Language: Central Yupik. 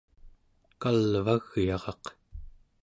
kalvagyaraq